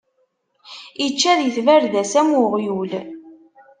Ičča di tbarda-s, am uɣyul.